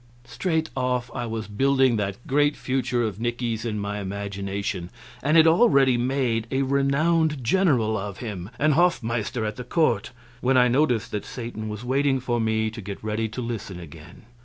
Straight off I was building that great future of Nicky's in my imagination, and had already made a renowned general of him and hofmeister at the court, when I noticed that Satan was waiting for me to get ready to listen again.